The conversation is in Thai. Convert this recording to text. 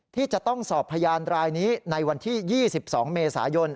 ที่จะต้องสอบพยานรายนี้ในวันที่๒๒เมษายน